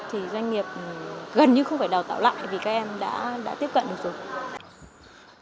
thì doanh nghiệp gần như không phải đào tạo lại vì các em đã tiếp cận được rồi